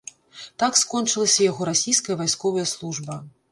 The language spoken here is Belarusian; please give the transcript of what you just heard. Так скончылася яго расійская вайсковая служба.